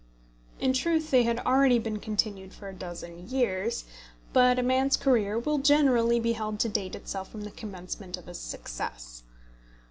In truth they had already been continued for a dozen years, but a man's career will generally be held to date itself from the commencement of his success.